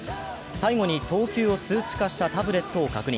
最後に投球を数値化したタブレットを確認。